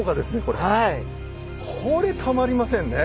これたまりませんね。ね？